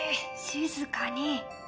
静かに！